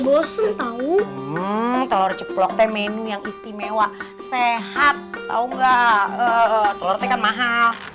udah bosan tahu telur ceplok menu yang istimewa sehat tahu nggak mahal